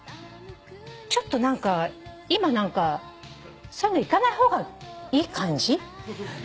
ちょっと何か今何かそういうの行かない方がいい感じ？